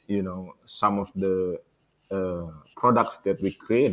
beberapa produk yang kita buat